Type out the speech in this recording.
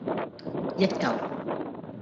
一舊